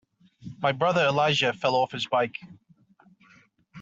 My brother Elijah fell off his bike.